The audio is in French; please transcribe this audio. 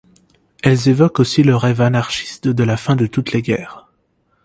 Elle évoquent aussi le rêve anarchiste de la fin de toutes les guerres.